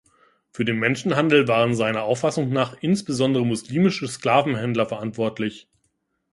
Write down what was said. Für den Menschenhandel waren seiner Auffassung nach insbesondere muslimische Sklavenhändler verantwortlich.